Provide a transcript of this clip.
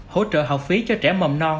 hỗ trợ học phí cho trẻ mầm non